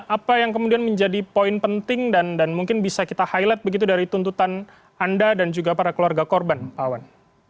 apa yang kemudian menjadi poin penting dan mungkin bisa kita highlight begitu dari tuntutan anda dan juga para keluarga korban pak wan